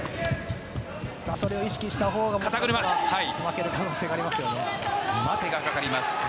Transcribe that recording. それを意識したほうがもしかしたら負ける可能性がありますね。